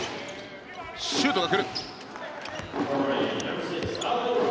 シュートが来る。